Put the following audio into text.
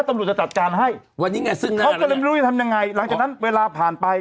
ตำลูกจะจัดจานให้วันนี้ไงซึ่งหน้าเรียนรู้จะทำยังไงหลังจากนั้นเวลาผ่านไป